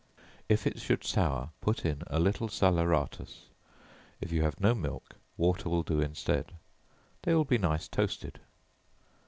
If it should sour, put in a little salaeratus. If you have no milk, water will do instead. They will be nice toasted.